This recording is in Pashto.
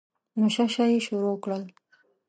نو شه شه یې شروع کړل.